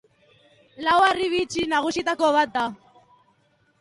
Lau harribitxi nagusietako bat da.